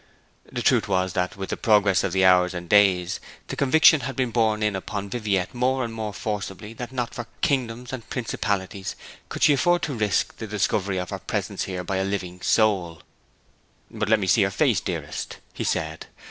The truth was that, with the progress of the hours and days, the conviction had been borne in upon Viviette more and more forcibly that not for kingdoms and principalities could she afford to risk the discovery of her presence here by any living soul. 'But let me see your face, dearest,' he said.